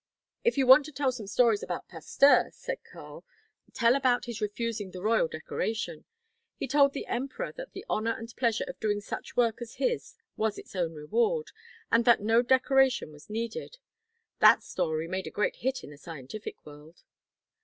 "If you want to tell some stories about Pasteur," said Karl, "tell about his refusing the royal decoration. He told the Emperor that the honour and pleasure of doing such work as his was its own reward, and that no decoration was needed. That story made a great hit in the scientific world."